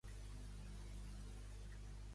Amb qui va col·laborar en Voluntary Martyrdom?